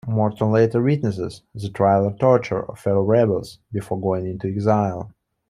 Morton later witnesses the trial and torture of fellow rebels, before going into exile.